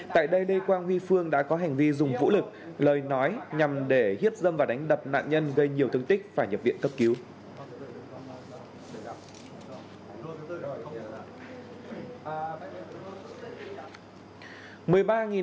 tại đây lê quang huy phương đã có hành vi dùng vũ lực lời nói nhằm để hiếp dâm và đánh đập nạn nhân gây nhiều thương tích phải nhập viện cấp cứu